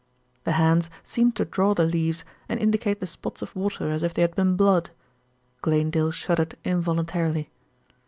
The hands seemed to draw the leaves and indicate the spots of water as if they had been blood. Glanedale shuddered involuntarily.